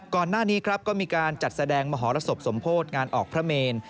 ก่อนหน้านี้ครับก็มีการจัดแสดงมหรสบสมโพธิงานออกพระเมน